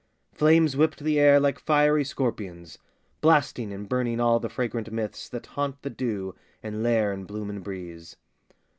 Flames whipped the air like fiery scorpions, Blasting and burning all the fragrant myths That haunt the dew and lair in bloom and breeze.